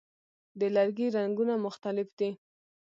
د لرګي رنګونه مختلف دي.